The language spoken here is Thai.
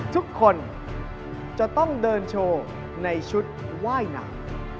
ทุกคนจะต้องเดินโชว์ในชุดว่ายน้ำ